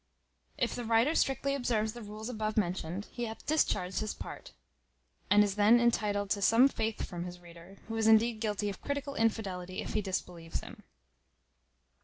If the writer strictly observes the rules above mentioned, he hath discharged his part; and is then intitled to some faith from his reader, who is indeed guilty of critical infidelity if he disbelieves him.